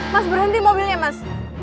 mas berhenti mobilnya mas